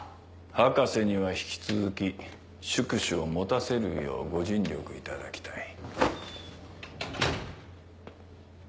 博士には引き続き宿主を持たせるようご尽力いただきたい。